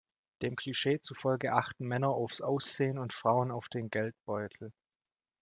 Dem Klischee zufolge achten Männer aufs Aussehen und Frauen auf den Geldbeutel.